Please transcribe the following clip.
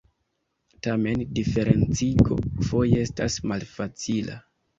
Tamen diferencigo foje estas malfacila.